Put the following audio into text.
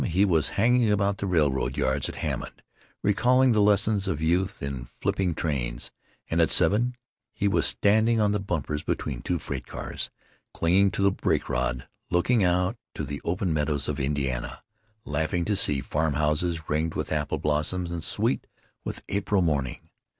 he was hanging about the railroad yards at Hammond, recalling the lessons of youth in "flipping trains"; and at seven he was standing on the bumpers between two freight cars, clinging to the brake rod, looking out to the open meadows of Indiana, laughing to see farm houses ringed with apple blossoms and sweet with April morning.